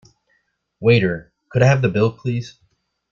Waiter, could I have the bill please?